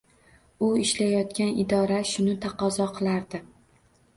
U ishlayotgan idora shuni taqozo qilardi.